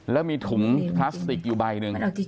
แล้วมีถุงพลาสติกอยู่ใบหนึ่ง